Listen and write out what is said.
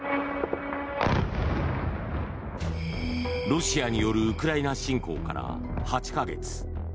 ロシアによるウクライナ侵攻から８か月。